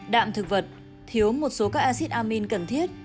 đạm thực vật thiếu một số các acid amin cần thiết